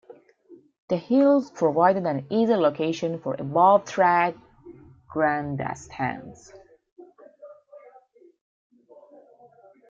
The hills provided an easy location for above-track grandstands.